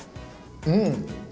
うん！